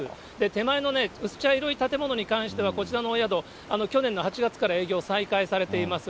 手前の薄茶色い建物に関しては、こちらのお宿、去年の８月から営業を再開されています。